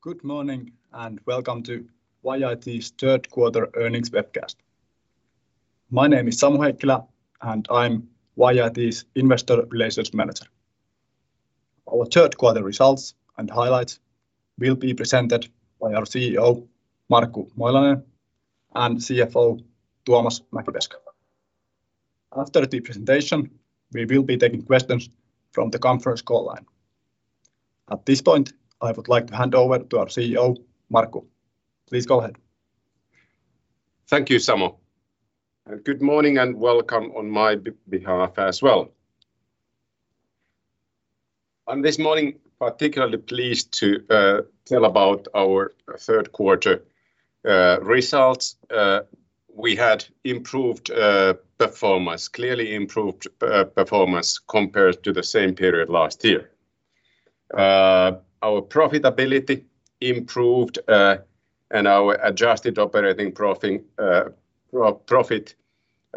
Good morning, and welcome to YIT's third quarter earnings webcast. My name is Samu Heikkilä, and I'm YIT's Investor Relations Manager. Our third-quarter results and highlights will be presented by our CEO, Markku Moilanen, and CFO, Tuomas Mäkipeska. After the presentation, we will be taking questions from the conference call line. At this point, I would like to hand over to our CEO, Markku. Please go ahead. Thank you, Samu. Good morning, and welcome on my behalf as well. I'm this morning particularly pleased to tell about our third quarter results. We had improved performance, clearly improved performance compared to the same period last year. Our profitability improved, and our adjusted operating profit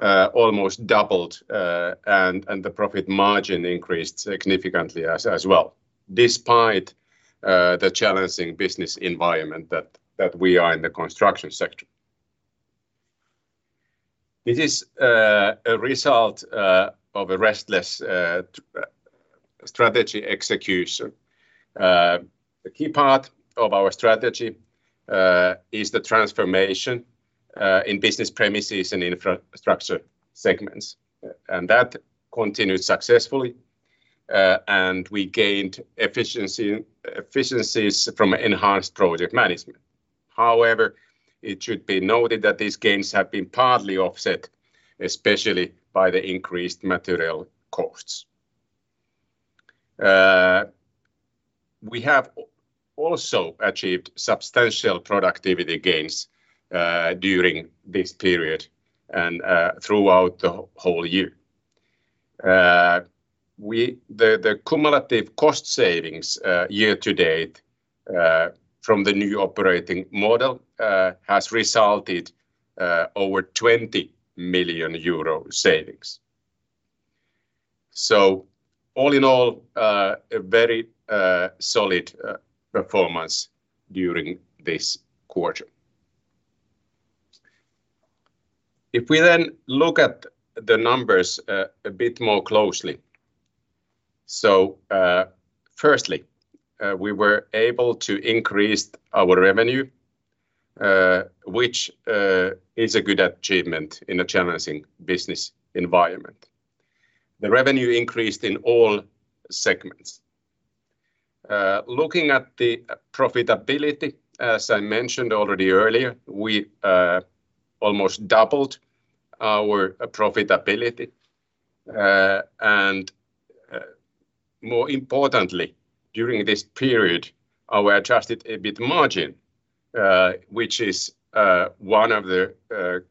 almost doubled. The profit margin increased significantly as well, despite the challenging business environment that we are in the construction sector. It is a result of a relentless strategy execution. The key part of our strategy is the transformation in business premises and infrastructure segments. That continued successfully, and we gained efficiencies from enhanced project management. However, it should be noted that these gains have been partly offset, especially by the increased material costs. We have also achieved substantial productivity gains during this period and throughout the whole year. The cumulative cost savings year to date from the new operating model has resulted in over 20 million euro savings. All in all, a very solid performance during this quarter. If we then look at the numbers a bit more closely. Firstly, we were able to increase our revenue, which is a good achievement in a challenging business environment. The revenue increased in all segments. Looking at the profitability, as I mentioned already earlier, we almost doubled our profitability. More importantly, during this period, our adjusted EBIT margin, which is one of the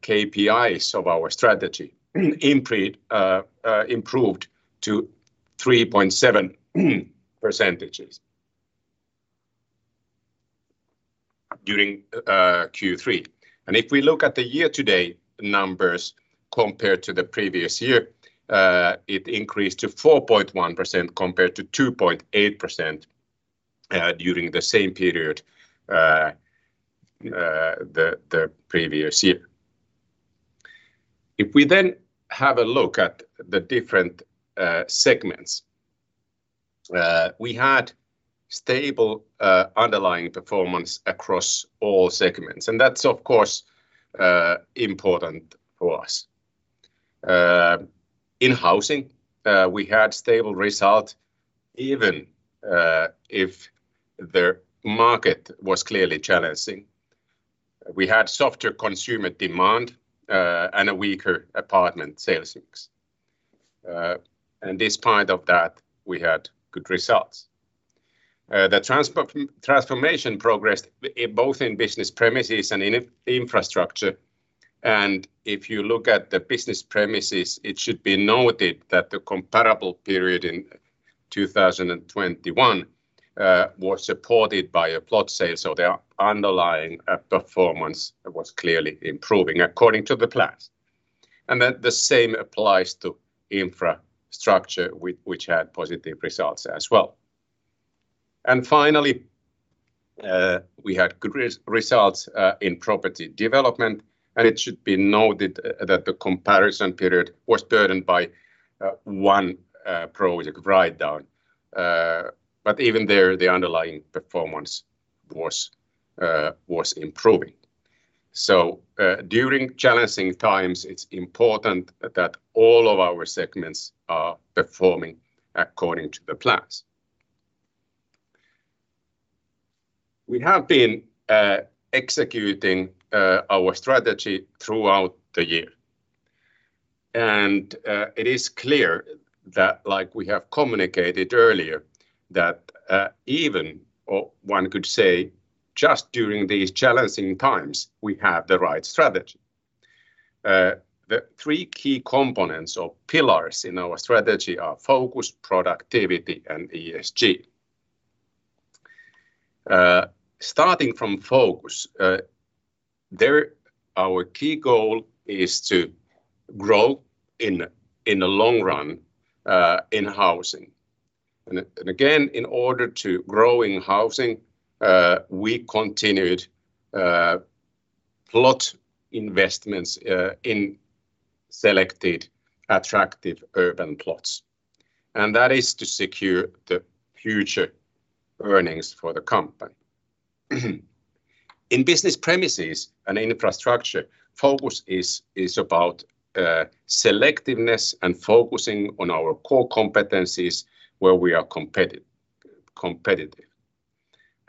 KPIs of our strategy, improved to 3.7% during Q3. If we look at the year-to-date numbers compared to the previous year, it increased to 4.1% compared to 2.8% during the same period the previous year. If we have a look at the different segments, we had stable underlying performance across all segments, and that's, of course, important for us. In housing, we had stable results even if the market was clearly challenging. We had softer consumer demand and a weaker apartment sales mix. Despite that, we had good results. The transformation progressed both in business premises and in infrastructure. If you look at the business premises, it should be noted that the comparable period in 2021 was supported by a plot sale, so the underlying performance was clearly improving according to the plans. The same applies to infrastructure which had positive results as well. Finally, we had good results in property development, and it should be noted that the comparison period was burdened by one project write-down. Even there, the underlying performance was improving. During challenging times, it's important that all of our segments are performing according to the plans. We have been executing our strategy throughout the year. It is clear that, like we have communicated earlier, that even... One could say just during these challenging times, we have the right strategy. The three key components or pillars in our strategy are focus, productivity, and ESG. Starting from focus, there our key goal is to grow in the long run in housing. Again, in order to grow in housing, we continued plot investments in selected attractive urban plots. That is to secure the future earnings for the company. In business premises and infrastructure, focus is about selectiveness and focusing on our core competencies where we are competitive.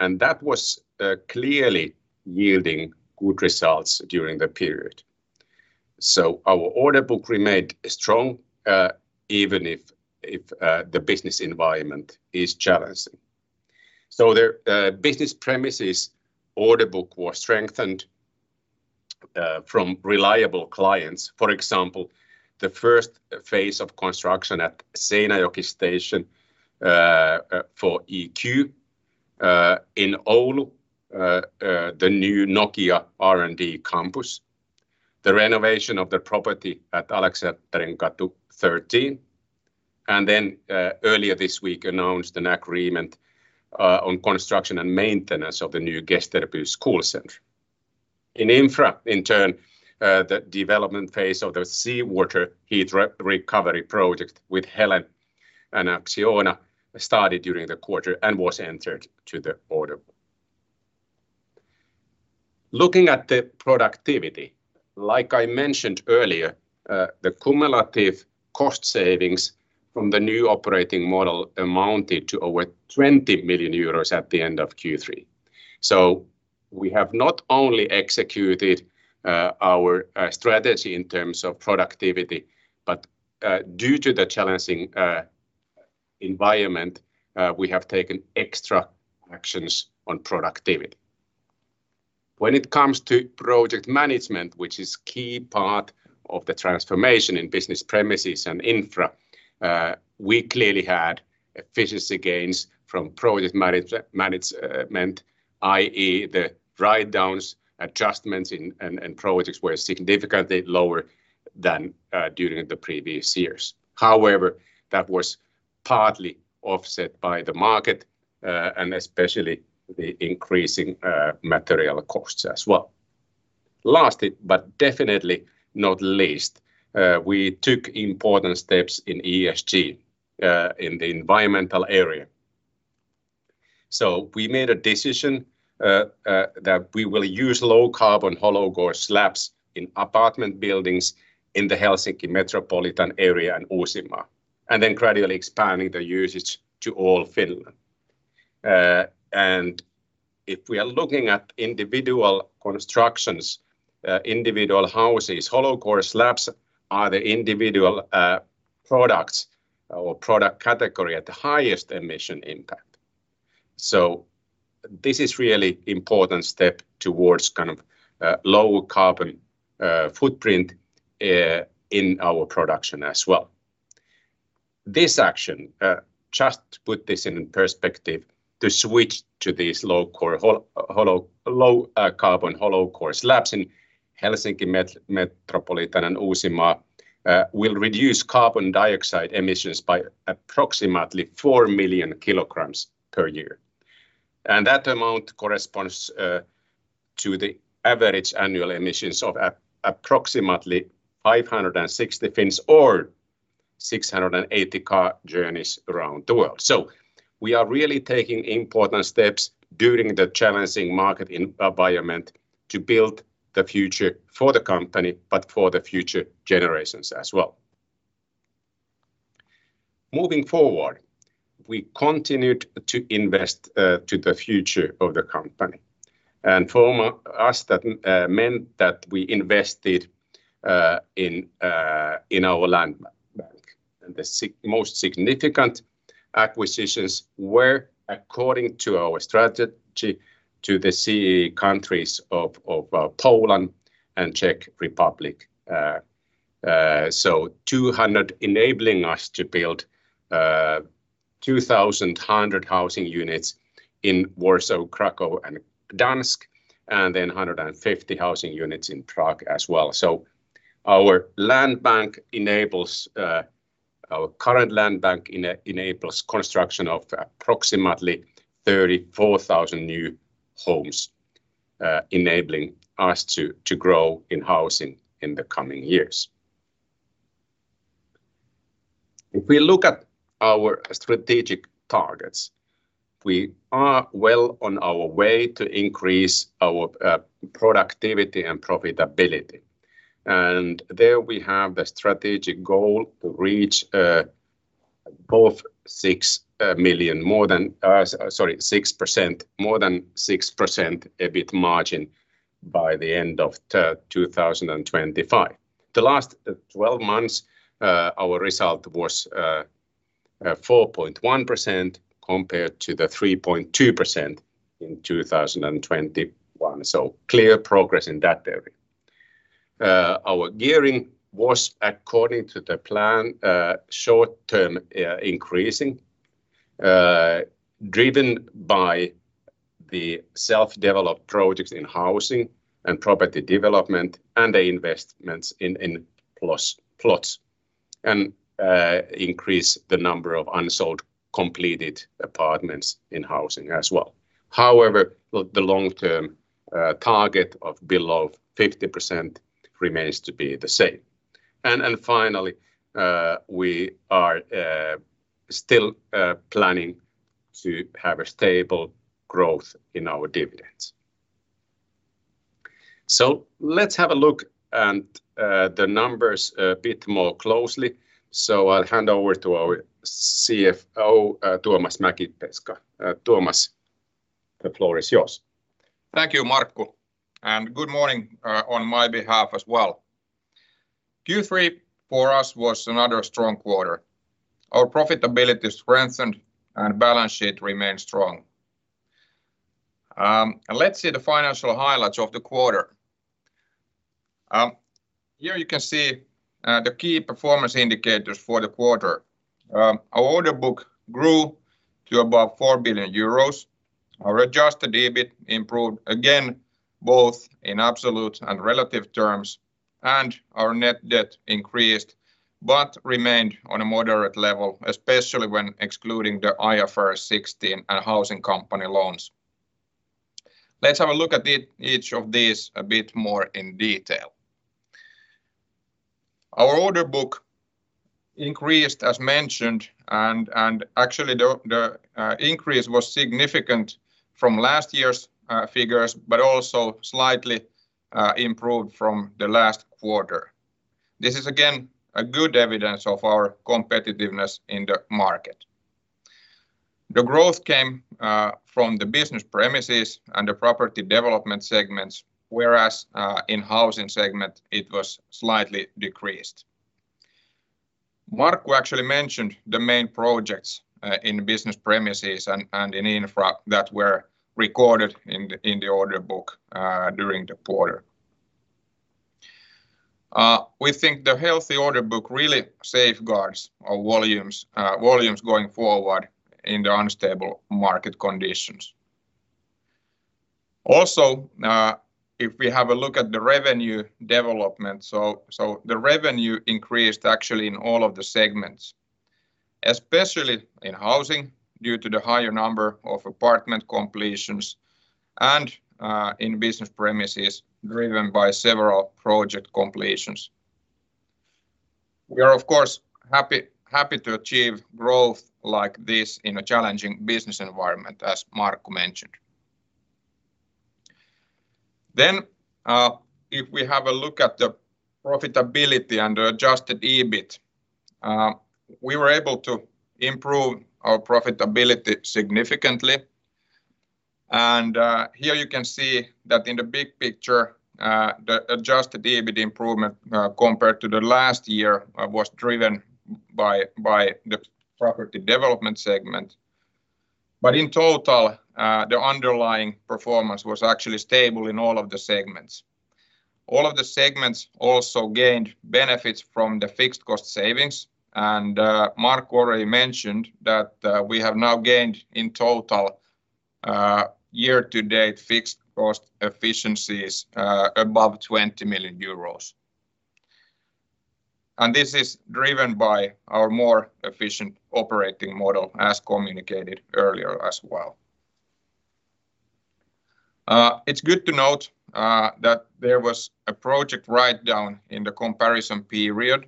That was clearly yielding good results during the period. Our order book remained strong even if the business environment is challenging. The business premises order book was strengthened from reliable clients. For example, the first phase of construction at Seinäjoki Station, for eQ, in Oulu, the new Nokia R&D campus. The renovation of the property at Aleksanterinkatu 13. Earlier this week we announced an agreement, on construction and maintenance of the new Gesterby school center. In Infra, in turn, the development phase of the seawater heat recovery project with Helen and Acciona started during the quarter and was entered to the order book. Looking at the productivity, like I mentioned earlier, the cumulative cost savings from the new operating model amounted to over 20 million euros at the end of Q3. We have not only executed our strategy in terms of productivity, but due to the challenging environment, we have taken extra actions on productivity. When it comes to project management, which is a key part of the transformation in business premises and infra, we clearly had efficiency gains from project management, i.e., the write-downs, adjustments, and projects were significantly lower than during the previous years. However, that was partly offset by the market and especially the increasing material costs as well. Last but definitely not least, we took important steps in ESG in the environmental area. We made a decision that we will use low-carbon hollow-core slabs in apartment buildings in the Helsinki metropolitan area and Uusimaa, and then gradually expanding the usage to all Finland. If we are looking at individual constructions, individual houses, hollow-core slabs are the individual products or product category at the highest emission impact. This is a really important step towards kind of a low-carbon footprint in our production as well. This action just put this into perspective, to switch to these low-carbon hollow-core slabs in Helsinki metropolitan area and Uusimaa will reduce carbon dioxide emissions by approximately 4 million kg per year. That amount corresponds to the average annual emissions of approximately 560 Finns or 680 car journeys around the world. We are really taking important steps during the challenging market environment to build the future for the company, but for the future generations as well. Moving forward, we continued to invest to the future of the company. For us, that meant that we invested in our land bank, and the most significant acquisitions were according to our strategy to the CEE countries of Poland and Czech Republic. Two hundred enabling us to build 2,100 housing units in Warsaw, Kraków and Gdańsk, and then 150 housing units in Prague as well. Our land bank enables our current land bank enables construction of approximately 34,000 new homes, enabling us to grow in housing in the coming years. If we look at our strategic targets, we are well on our way to increase our productivity and profitability. There we have the strategic goal to reach more than 6% EBIT margin by the end of 2025. The last 12 months, our result was 4.1% compared to the 3.2% in 2021. Clear progress in that area. Our gearing was according to the plan, short-term increasing, driven by the self-developed projects in housing and property development and the investments in plots and increase the number of unsold completed apartments in housing as well. However, the long-term target of below 50% remains to be the same. Finally, we are still planning to have a stable growth in our dividends. Let's have a look at the numbers a bit more closely. I'll hand over to our CFO, Tuomas Mäkipeska. Tuomas, the floor is yours. Thank you, Markku, and good morning, on my behalf as well. Q3 for us was another strong quarter. Our profitability strengthened and balance sheet remained strong. Let's see the financial highlights of the quarter. Here you can see the key performance indicators for the quarter. Our order book grew to above 4 billion euros. Our adjusted EBIT improved again, both in absolute and relative terms, and our net debt increased, but remained on a moderate level, especially when excluding the IFRS 16 and housing company loans. Let's have a look at each of these a bit more in detail. Our order book increased, as mentioned, and actually the increase was significant from last year's figures, but also slightly improved from the last quarter. This is again a good evidence of our competitiveness in the market. The growth came from the business premises and the property development segments, whereas in housing segment it was slightly decreased. Markku actually mentioned the main projects in business premises and in Infra that were recorded in the order book during the quarter. We think the healthy order book really safeguards our volumes going forward in the unstable market conditions. Also, if we have a look at the revenue development, so the revenue increased actually in all of the segments, especially in housing, due to the higher number of apartment completions and in business premises driven by several project completions. We are of course happy to achieve growth like this in a challenging business environment, as Markku mentioned. If we have a look at the profitability and the adjusted EBIT, we were able to improve our profitability significantly. Here you can see that in the big picture, the adjusted EBIT improvement, compared to the last year, was driven by the property development segment. In total, the underlying performance was actually stable in all of the segments. All of the segments also gained benefits from the fixed cost savings. Markku already mentioned that, we have now gained in total, year to date fixed cost efficiencies, above 20 million euros. This is driven by our more efficient operating model, as communicated earlier as well. It's good to note that there was a project write-down in the comparison period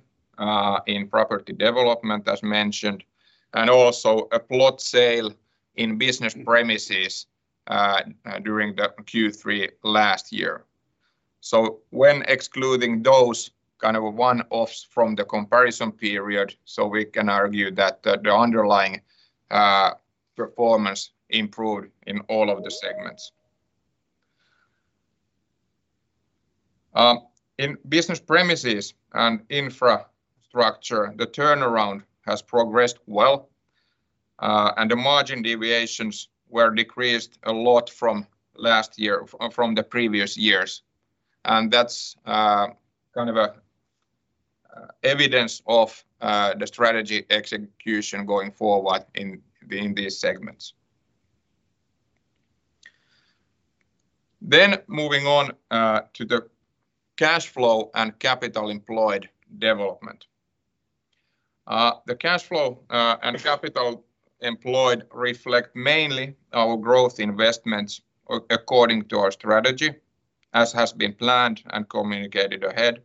in property development as mentioned, and also a plot sale in business premises during the Q3 last year. When excluding those kind of one-offs from the comparison period, we can argue that the underlying performance improved in all of the segments. In business premises and infrastructure, the turnaround has progressed well, and the margin deviations were decreased a lot from the previous years. That's kind of a evidence of the strategy execution going forward in these segments. Moving on to the cash flow and capital employed development. The cash flow and capital employed reflect mainly our growth investments according to our strategy, as has been planned and communicated ahead.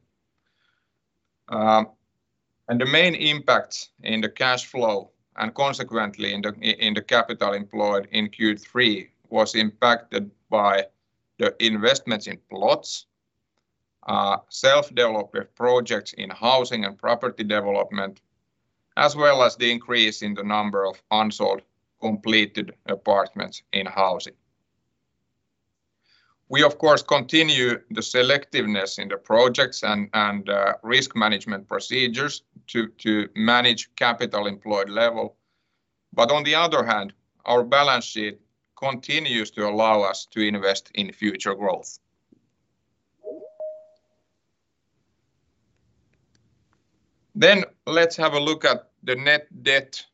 The main impacts in the cash flow and consequently in the capital employed in Q3 was impacted by the investments in plots, self-developed projects in housing and property development, as well as the increase in the number of unsold completed apartments in housing. We of course continue the selectiveness in the projects and risk management procedures to manage capital employed level. On the other hand, our balance sheet continues to allow us to invest in future growth. Let's have a look at the net debt,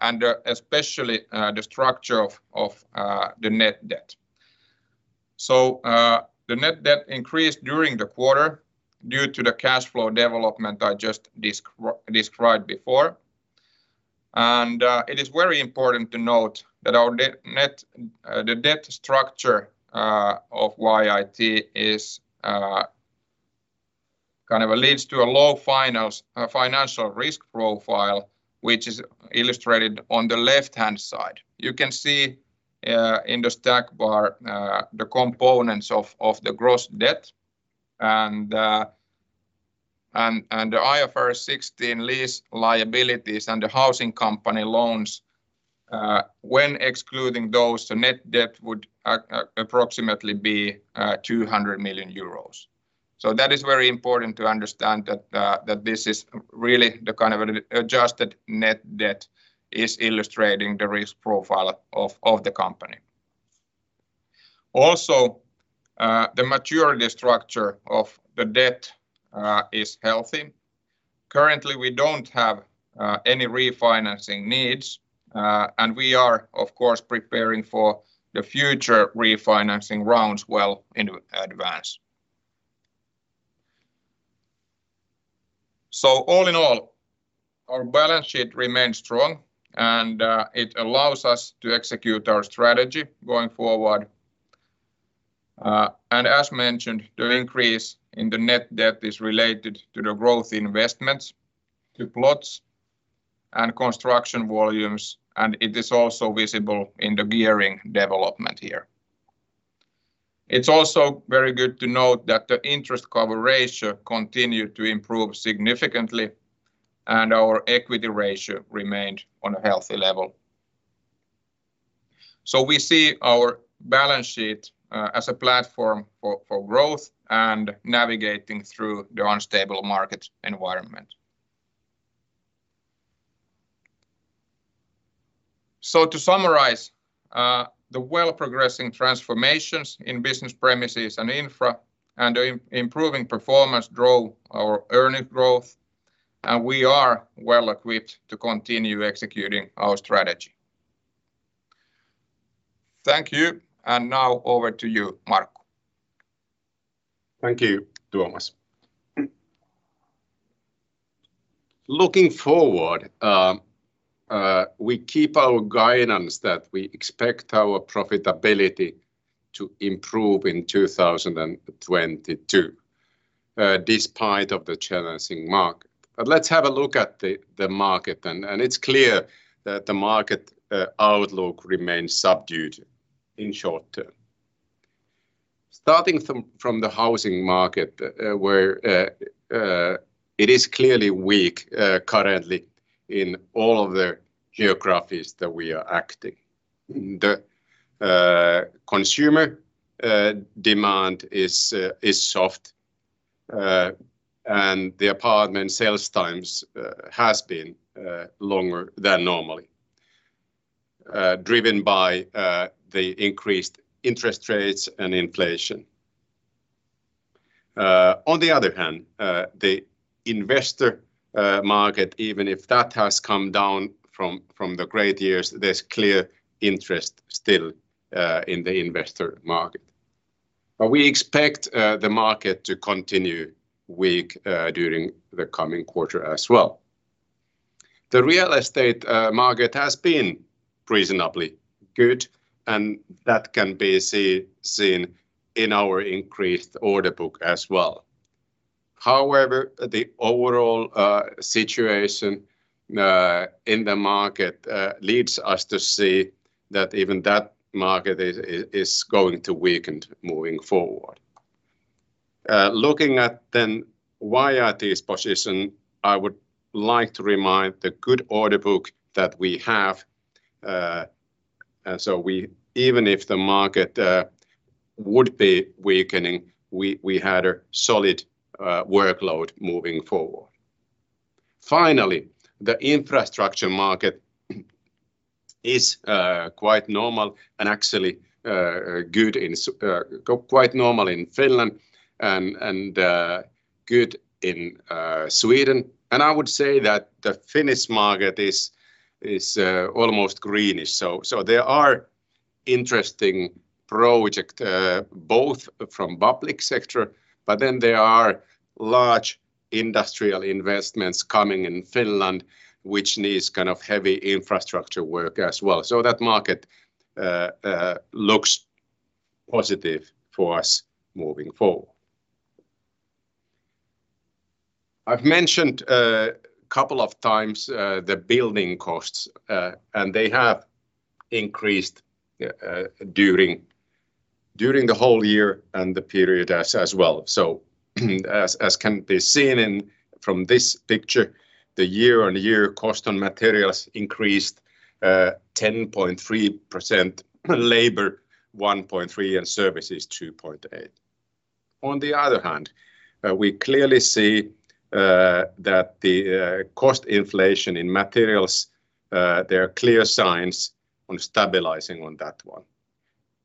and especially the structure of the net debt. The net debt increased during the quarter due to the cash flow development I just described before. It is very important to note that our net debt structure of YIT kind of leads to a low financial risk profile, which is illustrated on the left-hand side. You can see in the stacked bar the components of the gross debt and the IFRS 16 lease liabilities and the housing company loans. When excluding those, the net debt would approximately be 200 million euros. That is very important to understand that this is really the kind of adjusted net debt illustrating the risk profile of the company. Also, the maturity structure of the debt is healthy. Currently, we don't have any refinancing needs. We are, of course, preparing for the future refinancing rounds well in advance. All in all, our balance sheet remains strong, and it allows us to execute our strategy going forward. As mentioned, the increase in the net debt is related to the growth investments to plots and construction volumes, and it is also visible in the gearing development here. It's also very good to note that the interest cover ratio continued to improve significantly, and our equity ratio remained on a healthy level. We see our balance sheet as a platform for growth and navigating through the unstable market environment. To summarize, the well-progressing transformations in Business Premises and Infra and improving performance drove our earnings growth, and we are well-equipped to continue executing our strategy. Thank you. Now over to you, Markku. Thank you, Tuomas. Looking forward, we keep our guidance that we expect our profitability to improve in 2022, despite of the challenging market. Let's have a look at the market then. It's clear that the market outlook remains subdued in short-term. Starting from the housing market, where it is clearly weak currently in all of the geographies that we are acting. Consumer demand is soft, and the apartment sales times has been longer than normal, driven by the increased interest rates and inflation. On the other hand, the investor market, even if that has come down from the great years, there's clear interest still in the investor market. We expect the market to continue weak during the coming quarter as well. The real estate market has been reasonably good, and that can be seen in our increased order book as well. However, the overall situation in the market leads us to see that even that market is going to weaken moving forward. Looking at then YIT's position, I would like to remind the good order book that we have. We even if the market would be weakening, we had a solid workload moving forward. Finally, the infrastructure market is quite normal and actually quite normal in Finland and good in Sweden. I would say that the Finnish market is almost greenish. There are interesting projects both from public sector, but then there are large industrial investments coming in Finland, which need kind of heavy infrastructure work as well. That market looks positive for us moving forward. I've mentioned couple of times the building costs, and they have increased during the whole year and the period as well. As can be seen from this picture, the year-on-year cost on materials increased 10.3%, labor 1.3%, and services 2.8%. On the other hand, we clearly see that the cost inflation in materials, there are clear signs of stabilizing on that one.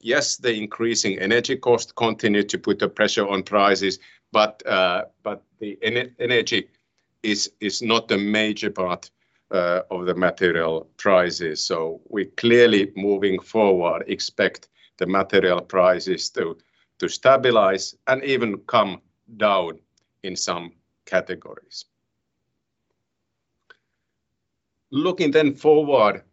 Yes, the increasing energy costs continue to put pressure on prices, but the energy is not a major part of the material prices. We're clearly moving forward, expect the material prices to stabilize and even come down in some categories. Looking then forward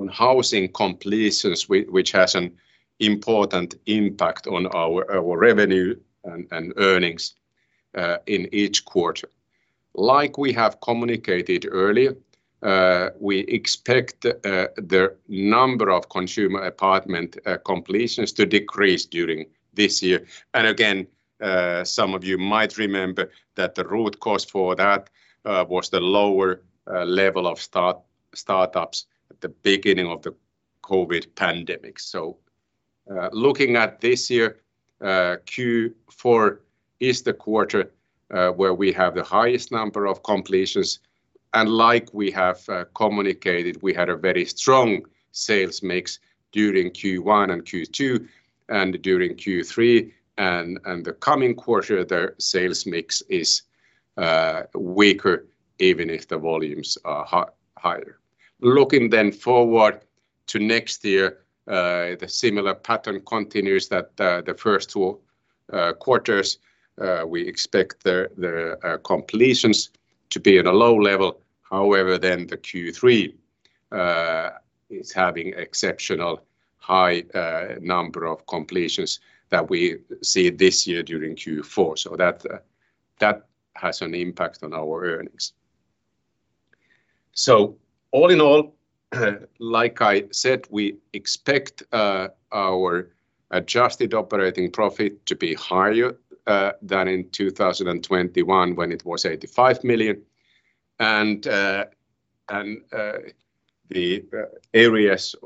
on housing completions, which has an important impact on our revenue and earnings in each quarter. Like we have communicated earlier, we expect the number of consumer apartment completions to decrease during this year. Again, some of you might remember that the root cause for that was the lower level of startups at the beginning of the COVID pandemic. Looking at this year, Q4 is the quarter where we have the highest number of completions. Like we have communicated, we had a very strong sales mix during Q1 and Q2, and during Q3 and the coming quarter, the sales mix is weaker, even if the volumes are higher. Looking then forward to next year, the similar pattern continues that the first two quarters, we expect the completions to be at a low level. However, then the Q3 is having exceptionally high number of completions that we see this year during Q4. That has an impact on our earnings. All in all, like I said, we expect our adjusted operating profit to be higher than in 2021, when it was 85 million. The areas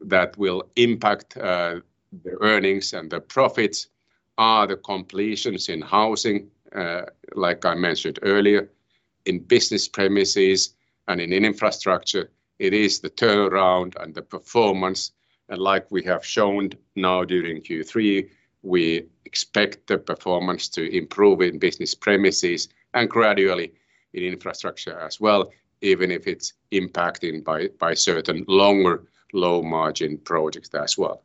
that will impact the earnings and the profits are the completions in housing, like I mentioned earlier, in business premises and in infrastructure. It is the turnaround and the performance. Like we have shown now during Q3, we expect the performance to improve in business premises and gradually in infrastructure as well, even if it's impacted by certain longer low margin projects as well.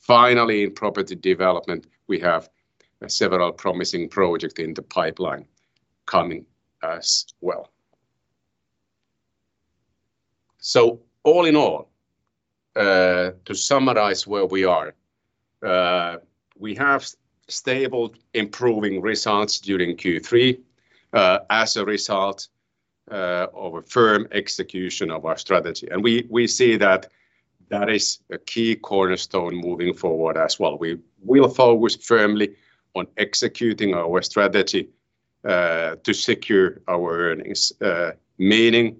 Finally, in property development, we have several promising projects in the pipeline coming as well. All in all, to summarize where we are, we have stable improving results during Q3, as a result of a firm execution of our strategy. We see that is a key cornerstone moving forward as well. We will focus firmly on executing our strategy to secure our earnings, meaning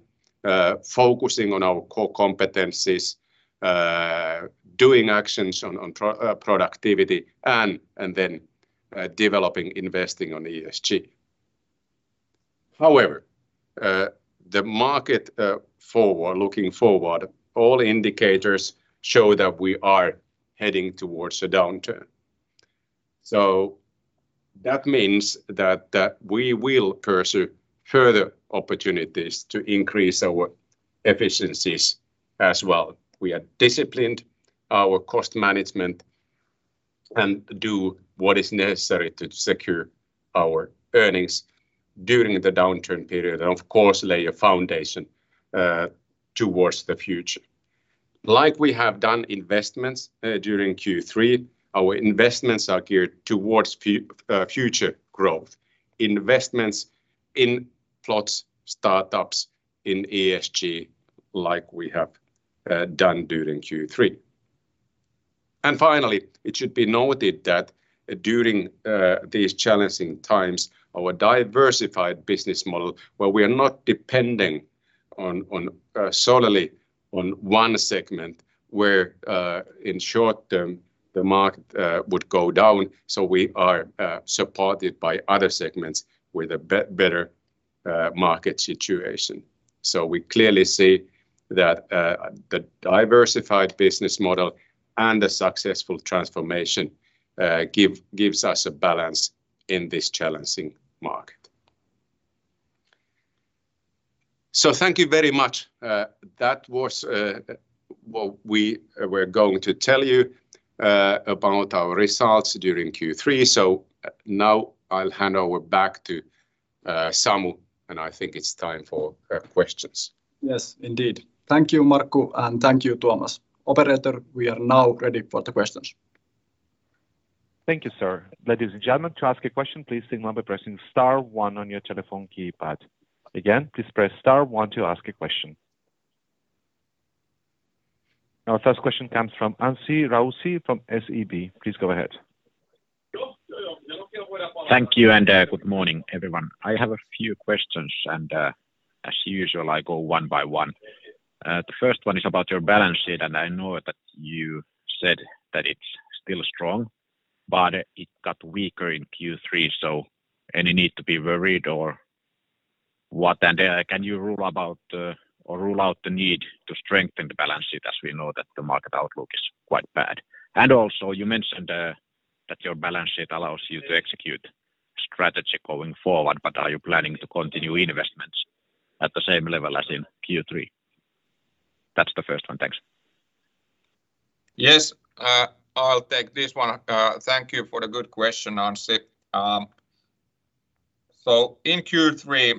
focusing on our core competencies, doing actions on productivity and then developing investing on ESG. However, looking forward, all indicators show that we are heading towards a downturn. That means that we will pursue further opportunities to increase our efficiencies as well. We are disciplined our cost management and do what is necessary to secure our earnings during the downturn period and of course lay a foundation towards the future. Like we have done investments during Q3, our investments are geared towards future growth. Investments in plots, startups, in ESG, like we have done during Q3. Finally, it should be noted that during these challenging times, our diversified business model, while we are not depending solely on one segment where in the short term the market would go down, we are supported by other segments with a better market situation. We clearly see that the diversified business model and the successful transformation gives us a balance in this challenging market. Thank you very much. That was what we were going to tell you about our results during Q3. Now I'll hand over back to Samu, and I think it's time for questions. Yes, indeed. Thank you, Markku, and thank you, Tuomas. Operator, we are now ready for the questions. Thank you, sir. Ladies and gentlemen, to ask a question, please signal by pressing star one on your telephone keypad. Again, please press star one to ask a question. Our first question comes from Anssi Raussi from SEB. Please go ahead. Thank you, good morning everyone. I have a few questions, and, as usual, I go one by one. The first one is about your balance sheet, and I know that you said that it's still strong, but it got weaker in Q3. Any need to be worried or what? Can you rule out the need to strengthen the balance sheet, as we know that the market outlook is quite bad? Also you mentioned that your balance sheet allows you to execute strategy going forward, but are you planning to continue investments at the same level as in Q3? That's the first one. Thanks. Yes. I'll take this one. Thank you for the good question, Anssi. In Q3,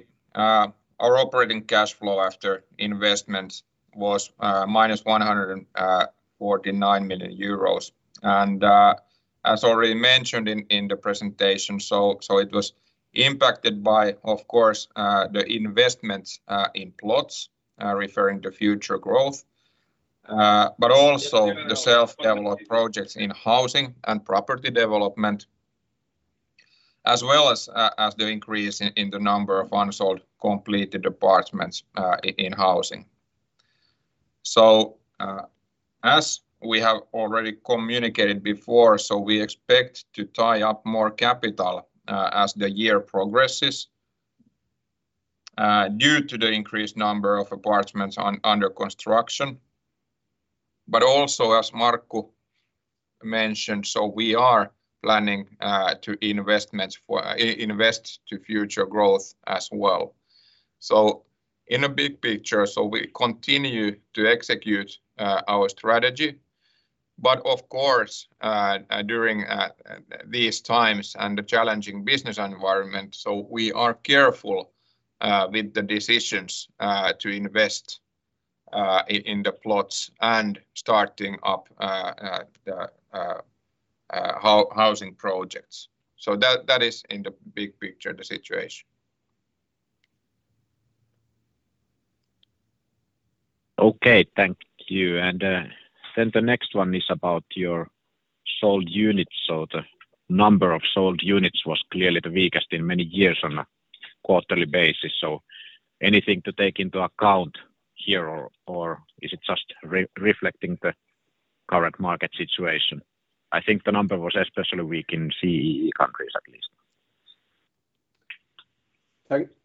our operating cash flow after investments was -149 million euros. As already mentioned in the presentation, it was impacted by, of course, the investments in plots referring to future growth, but also the self-developed projects in housing and property development, as well as the increase in the number of unsold completed apartments in housing. As we have already communicated before, we expect to tie up more capital as the year progresses due to the increased number of apartments under construction. Also, as Markku mentioned, we are planning to invest in future growth as well. In a big picture, so we continue to execute our strategy, but of course, during these times and the challenging business environment, so we are careful with the decisions to invest in the plots and starting up the housing projects. That is in the big picture, the situation. Okay. Thank you. The next one is about your sold units. The number of sold units was clearly the weakest in many years on a quarterly basis. Anything to take into account here or is it just reflecting the current market situation? I think the number was especially weak in CEE countries at least.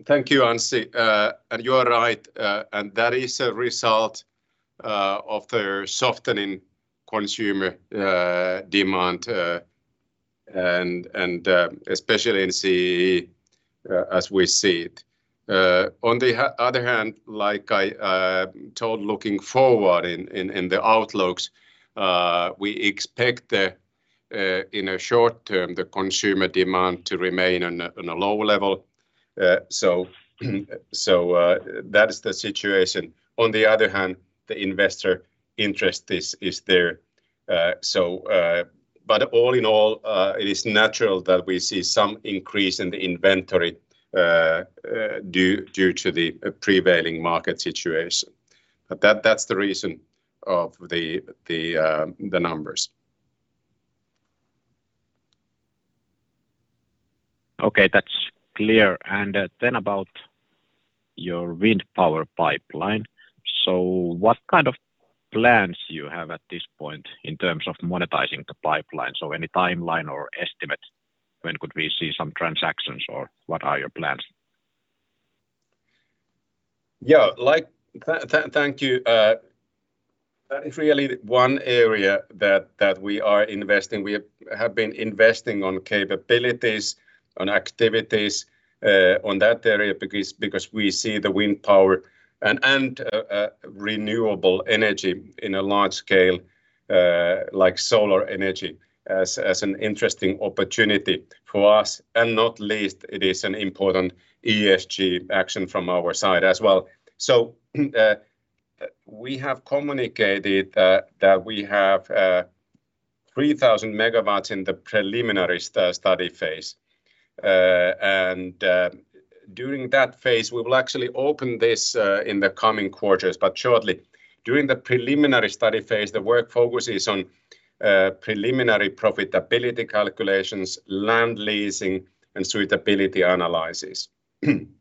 Thank you, Anssi. You are right, and that is a result of the softening consumer demand and especially in CEE, as we see it. On the other hand, like I told looking forward in the outlooks, we expect in a short-term the consumer demand to remain on a low level. That is the situation. On the other hand, the investor interest is there. All in all, it is natural that we see some increase in the inventory due to the prevailing market situation. That's the reason for the numbers. Okay. That's clear. About your wind power pipeline. What kind of plans you have at this point in terms of monetizing the pipeline? Any timeline or estimate? When could we see some transactions or what are your plans? Yeah. Like thank you. That is really one area that we are investing. We have been investing on capabilities, on activities, on that area because we see the wind power and renewable energy on a large scale, like solar energy, as an interesting opportunity for us, and not least it is an important ESG action from our side as well. We have communicated that we have 3,000 MW in the preliminary study phase. During that phase we will actually open this in the coming quarters, but shortly. During the preliminary study phase, the work focuses on preliminary profitability calculations, land leasing and suitability analysis. Then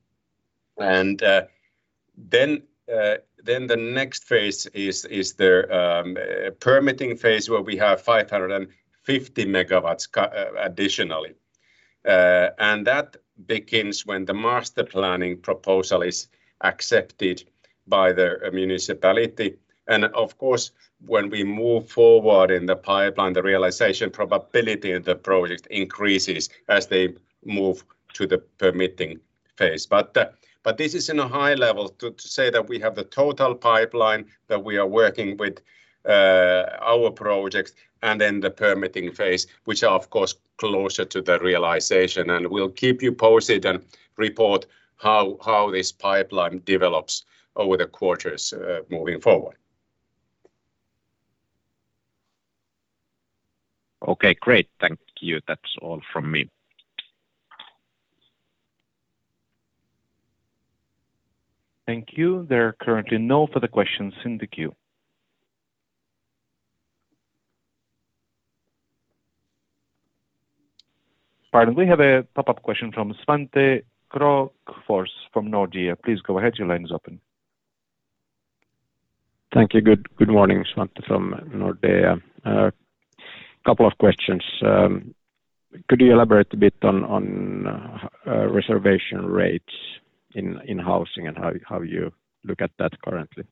the next phase is the permitting phase where we have 550 MW additionally. That begins when the master planning proposal is accepted by the municipality. Of course, when we move forward in the pipeline, the realization probability of the project increases as they move to the permitting phase. But this is at a high level to say that we have the total pipeline that we are working with, our projects and then the permitting phase, which are of course closer to the realization. We'll keep you posted and report how this pipeline develops over the quarters, moving forward. Okay. Great. Thank you. That's all from me. Thank you. There are currently no further questions in the queue. Pardon. We have a pop-up question from Svante Krokfors from Nordea. Please go ahead. Your line is open. Thank you. Good morning. Svante from Nordea. Couple of questions. Could you elaborate a bit on reservation rates in housing and how you look at that currently?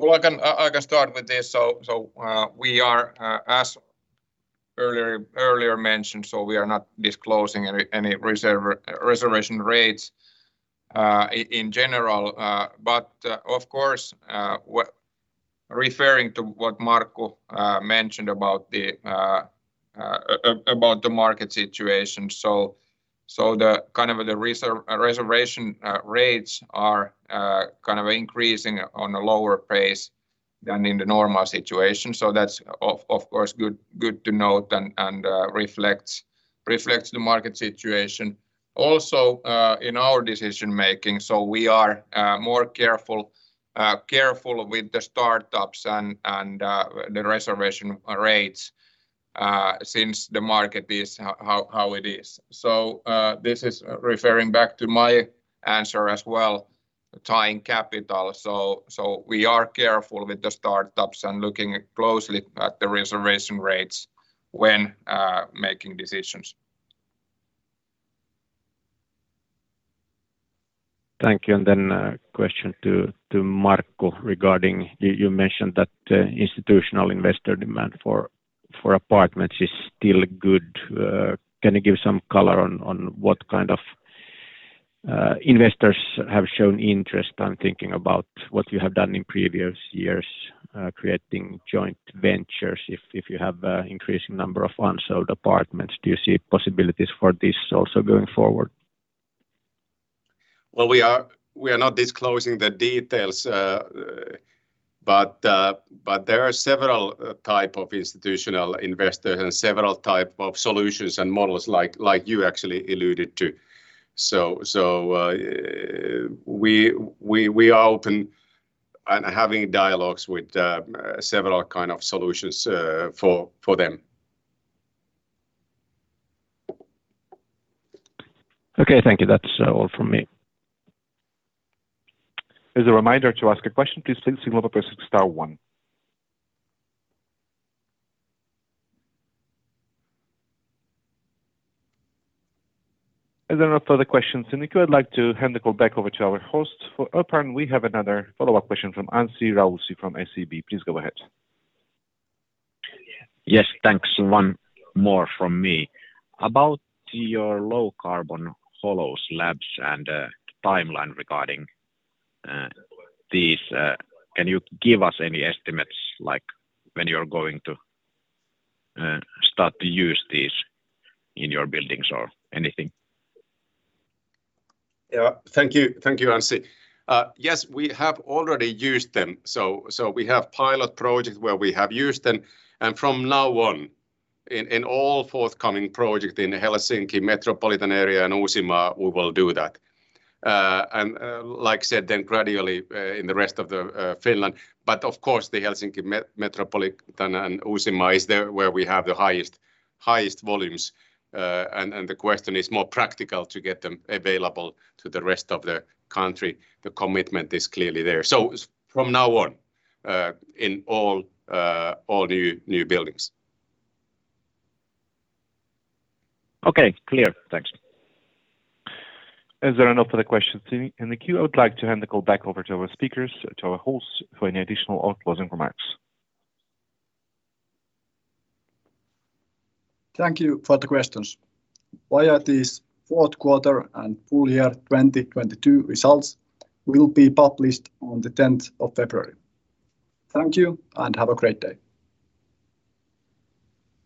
Well, I can start with this. We are, as earlier mentioned, not disclosing any reservation rates in general. But of course, referring to what Markku mentioned about the market situation. The kind of reservation rates are kind of increasing at a lower pace than in the normal situation. That's of course good to note and reflects the market situation also in our decision-making. We are more careful with the startups and the reservation rates since the market is how it is. This is referring back to my answer as well, tying capital. We are careful with the startups and looking closely at the reservation rates when making decisions. Thank you. A question to Markku regarding you mentioned that institutional investor demand for apartments is still good. Can you give some color on what kind of investors have shown interest? I'm thinking about what you have done in previous years creating joint ventures. If you have increasing number of unsold apartments, do you see possibilities for this also going forward? Well, we are not disclosing the details, but there are several type of institutional investors and several type of solutions and models like you actually alluded to. We are open and having dialogues with several kind of solutions for them. Okay. Thank you. That's all from me. As a reminder, to ask a question, please signal star one. As there are no further questions in the queue, I'd like to hand the call back over to our host. We have another follow-up question from Anssi Raussi from SEB. Please go ahead. Yes. Thanks. One more from me. About your low-carbon hollow-core slabs and timeline regarding these, can you give us any estimates like when you're going to start to use these in your buildings or anything? Yeah. Thank you. Thank you, Anssi. Yes, we have already used them. We have pilot projects where we have used them. From now on in all forthcoming projects in Helsinki metropolitan area and Uusimaa, we will do that. Like I said, then gradually in the rest of Finland. Of course, the Helsinki metropolitan area and Uusimaa is there where we have the highest volumes. The question is more practical to get them available to the rest of the country. The commitment is clearly there. From now on in all new buildings. Okay. Clear. Thanks. As there are no further questions in the queue, I would like to hand the call back over to our speakers, to our hosts for any additional or closing remarks. Thank you for the questions. YIT's fourth quarter and full year 2022 results will be published on the February 10th. Thank you, and have a great day.